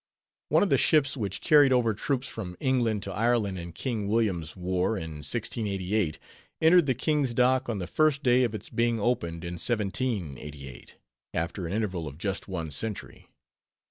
One of the ships which carried over troops from England to Ireland in King William's war, in 1688, entered the King's Dock on the first day of its being opened in 1788, after an interval of just one century.